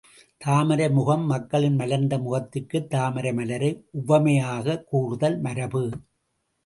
தாமரை முகம் மக்களின் மலர்ந்த முகத்திற்குத் தாமரை மலரை உவமையாகக் கூறுதல் மரபு.